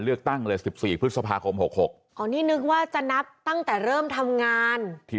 เลือกตั้งเลย๑๔พฤษภาคม๖๖นี่นึกว่าจะนับตั้งแต่เริ่มทำงานที่